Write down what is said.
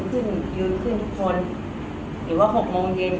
หรือว่ามีพวกกันหรือเปล่า